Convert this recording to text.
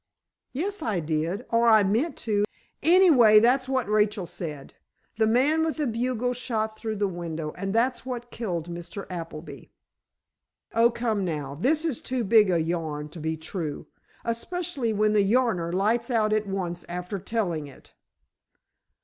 "Yes, I did. Or I meant to. Anyway that's what Rachel said. The man with the bugle shot through the window and that's what killed Mr. Appleby." "Oh, come now, this is too big a yarn to be true, especially when the yarner lights out at once after telling it!"